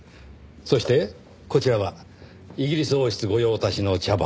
そしてこちらはイギリス王室御用達の茶葉。